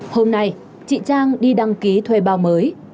hôm nay chị trang đi đăng ký thuê bao mới